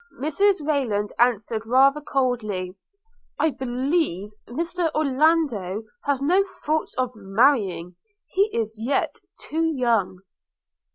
Mrs Rayland answered rather coldly, 'I believe Mr Orlando has no thoughts of marrying. – He is yet too young.'